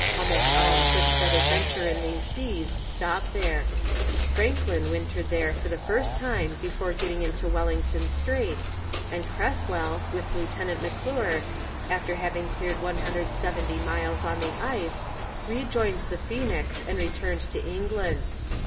Almost all ships that adventure in these seas stop there. Franklin wintered there for the first time before getting into Wellington Strait, and Creswell, with Lieutenant McClure, after having cleared 170 miles on the ice, rejoined the Phoenix and returned to England.